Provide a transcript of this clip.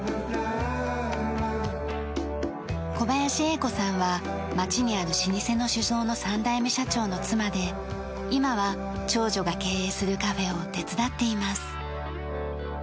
小林榮子さんは町にある老舗の酒造の３代目社長の妻で今は長女が経営するカフェを手伝っています。